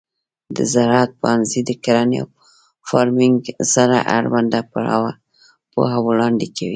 د زراعت پوهنځی د کرنې او فارمینګ سره اړوند پوهه وړاندې کوي.